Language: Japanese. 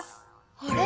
あれ？